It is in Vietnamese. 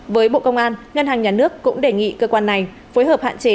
với bộ công an ngân hàng nhà nước cũng đề nghị cơ quan này phối hợp hạn chế